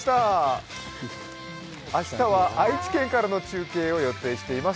明日は愛知県からの中継を予定しています。